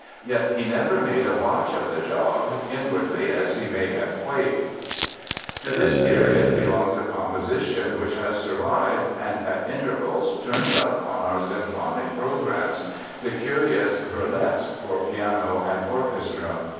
Yet he never made a botch of the job, inwardly as he may have quaked. To this period belongs a composition which has survived and at intervals turns up on our symphonic programs—the curious Burleske for piano and orchestra.